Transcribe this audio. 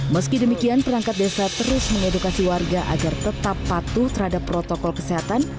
meski demikian perangkat desa terus mengedukasi warga agar tetap patuh terhadap protokol kesehatan